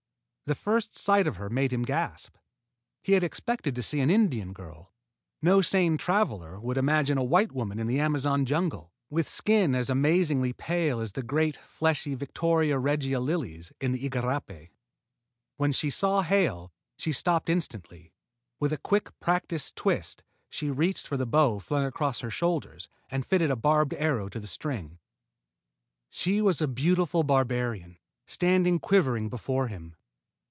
The first sight of her made him gasp. He had expected to see an Indian girl. No sane traveler would imagine a white woman in the Amazon jungle, with skin as amazingly pale as the great, fleshy victoria regia lilies in the igarapé. When she saw Hale, she stopped instantly. With a quick, practiced twist, she reached for the bow flung across her shoulders and fitted a barbed arrow to the string. She was a beautiful barbarian, standing quivering before him.